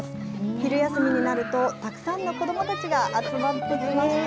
昼休みになると、たくさんの子どもたちが集まってきました。